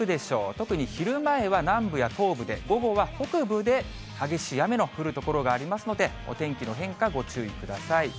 特に昼間は南部や東部で、午後は北部で激しい雨の降る所がありますので、お天気の変化、ご注意ください。